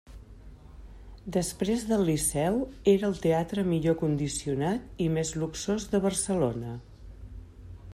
Després del Liceu era el teatre millor condicionat i més luxós de Barcelona.